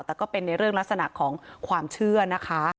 แต่ก็เป็นในเรื่องลักษณะของความเชื่อนะคะ